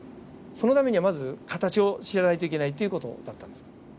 そのためにはまず形を知らないといけないという事だったんです。